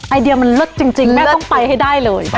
ไอเดียมันเลิศจริงแม่ต้องไปให้ได้เลย